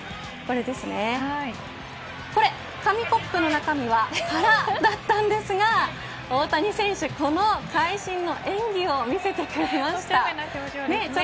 これ紙コップの中身は空だったんですが大谷選手、この会心の演技を見せてくれました。